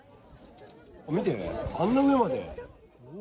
見て、あんな上まで。